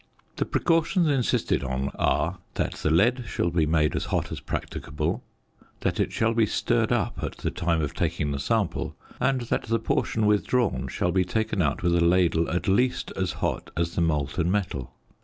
The precautions insisted on are that the lead shall be made as hot as practicable; that it shall be stirred up at the time of taking the sample; and that the portion withdrawn shall be taken out with a ladle at least as hot as the molten metal.